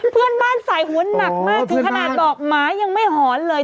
เพื่อนบ้านสายหัวหนักมากถึงขนาดบอกหมายังไม่หอนเลย